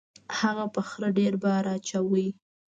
هغه په خره ډیر بار اچاوه.